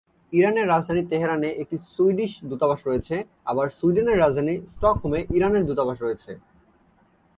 Iran এর রাজধানী Tehran এ একটি সুইডিশ দূতাবাস রয়েছে, আবার সুইডেন এর রাজধানী স্টকহোম এ ইরানের দূতাবাস রয়েছে।